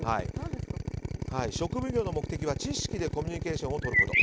食奉行の目的は知識でコミュニケーションをとること。